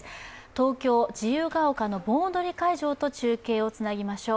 東京、自由が丘の盆踊会場と中継をつなぎましょう。